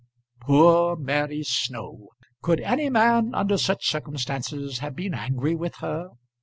Poor Mary Snow! Could any man under such circumstances have been angry with her?